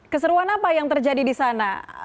keseruan apa yang terjadi di sana